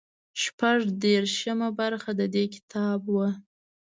شپږ دېرشمه برخه د دې کتاب وو.